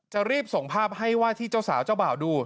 จะรีบส่งภาพให้ว่าที่เจ้าสาวเจ้าบ่าวดู